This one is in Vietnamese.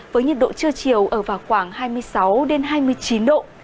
với nhiệt độ trưa chiều ở khoảng hai mươi sáu đến hai mươi chín độ